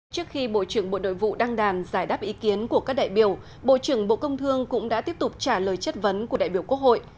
trước khi bộ trưởng bộ đội vụ đăng đàn giải đáp ý kiến của các đại biểu bộ trưởng bộ công thương cũng đã tiếp tục trả lời chất vấn của đại biểu quốc hội